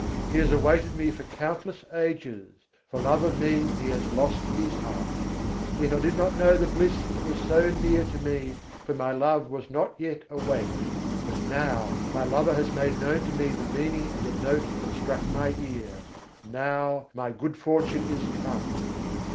He has awaited me for countless ages, for love of me He has lost His heart: Yet I did not know the bliss that was so near to me, for my love was not yet awake. But now, my Lover has made known to me the meaning of the note that struck my ear: Now, my good fortune is come.